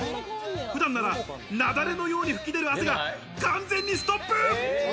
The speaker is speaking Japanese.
普段なら雪崩のように噴き出る汗が完全にストップ。